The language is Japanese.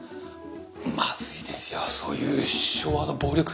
まずいですよそういう昭和の暴力刑事みたいなの。